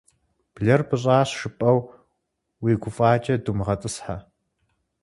Блэр пӏыщӏащ жыпӏэу уи гуфӏакӏэ думыгъэтӏысхьэ.